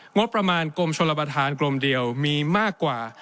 งบประมาณกรมชลประธานกลมเดียวมีมากกว่า